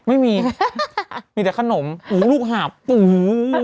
ไม่มีมีแต่ขนมอู๋ลูกห่าบอู๋